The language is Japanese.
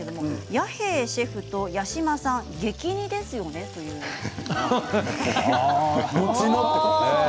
弥平シェフと八嶋さん激似ですよねときています。